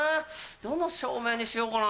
どの照明にしようかな。